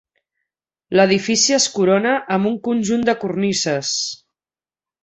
L'edifici es corona amb un conjunt de cornises.